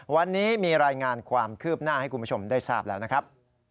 วันนี้มีรายงานความคืบหน้าให้คุณผู้ชมได้ทราบแล้วนะครับ